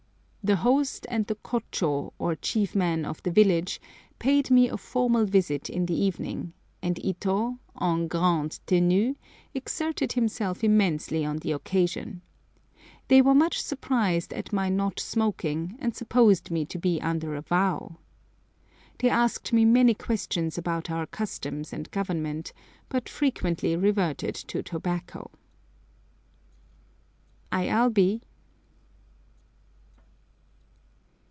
The host and the kôchô, or chief man of the village, paid me a formal visit in the evening, and Ito, en grande tenue, exerted himself immensely on the occasion. They were much surprised at my not smoking, and supposed me to be under a vow! They asked me many questions about our customs and Government, but frequently reverted to tobacco. I. L. B.